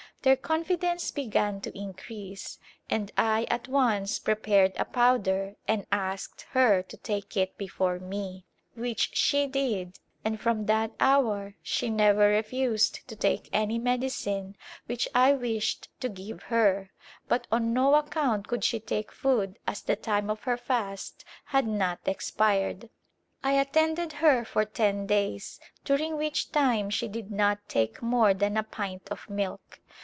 Their confidence began to increase and I at once prepared a powder and asked her to take it before me, which she did and from that hour she never re fused to take any medicine which I wished to give her, but on no account could she take food as the time of her fast had not expired. I attended her for ten days during which time she did not take more than a pint of milk.